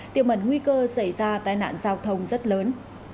tiếp mật nguy cơ xảy ra tai nạn giao thông rất lớn